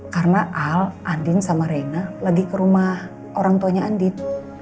karena al andin sama rena lagi ke rumah orangtuanya andin